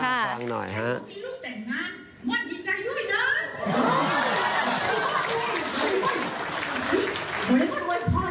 มีลูกแต่งงานมดดีใจด้วยนะ